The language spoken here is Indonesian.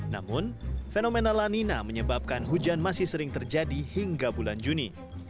namun fenomena lanina menyebabkan hujan masih sering terjadi hingga bulan juni